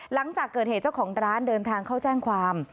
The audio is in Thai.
หลังจากเกิดเหตุเจ้าของร้านเดินทางเข้าแจ้งความ